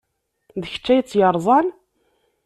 D kečč ay tt-yerẓan?